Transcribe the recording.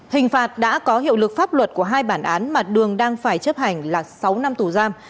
hình phạt đã có hiệu lực pháp luật của hai bản án mà đường đang phải chấp hành là sáu năm tù giam